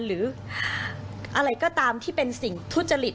หรืออะไรก็ตามที่เป็นสิ่งทุจริต